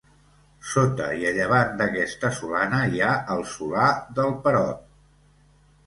Sota i a llevant d'aquesta solana hi ha el Solà del Perot.